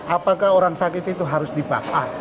apakah orang sakit itu harus dibakar